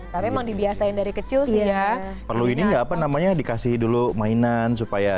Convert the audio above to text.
karena memang dibiasain dari kecil sih ya perlu ini nggak apa namanya dikasih dulu mainan supaya